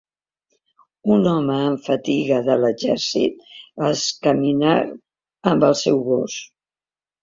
Un home amb fatiga de l'exèrcit és caminar amb el seu gos